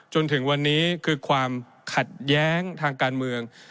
จนถึงวันนี้คือความขัดแย้งทางการเมือง